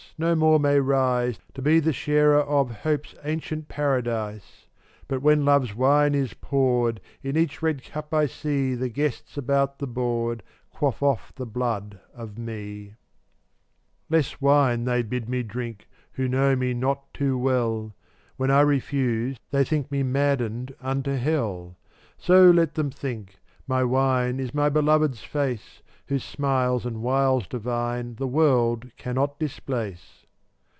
no more may rise To be the sharer of Hope's ancient paradise; But when Love's wine is poured, In each red cup I see The guests about the board Quaff off the blood of me. 0un<j (rttttdtf ^ ess wme t ^ ie y ^d me drink „ Who know me not too well; \J\t' When I refuse, they think Me maddened unto hell. So let them think; my wine Is my beloved's face, Whose smiles and wiles divine The world cannot displace.